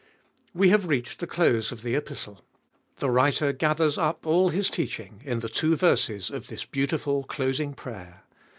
We have reached the close of the Epistle. The writer gathers up all his teaching in the two verses of this beautiful closing prayer.